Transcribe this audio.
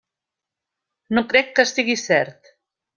No crec que sigui cert.